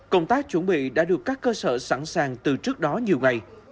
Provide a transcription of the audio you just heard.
công tác chuẩn bị đã được các cơ sở sẵn sàng từ trước đó nhiều ngày